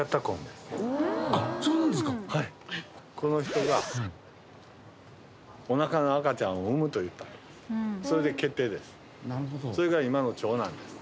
あっそうなんですかはいこの人がおなかの赤ちゃんを産むと言ったそれで決定です